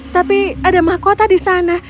tapi ada mahkota di sana